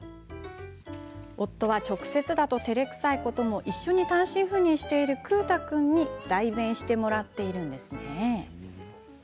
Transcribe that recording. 夫は、直接だとてれくさいことも一緒に単身赴任しているくぅた君に代弁してもらっているんですね。